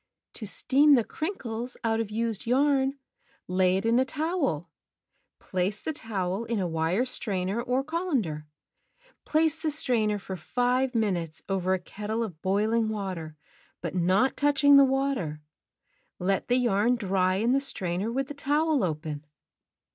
"To steam the crinkles out of used yarn, lay it in a towel. Place the towel in a wire strainer or colander. Place the strainer for five minutes over a kettle of boiling water, but not touching the water., Let the yarn dry in the strainer with the towel open."